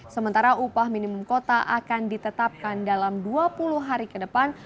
sementara upah minimum kota akan ditetapkan dalam dua puluh hari ke depan